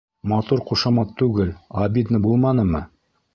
Матур ҡушамат түгел, обидно булманымы?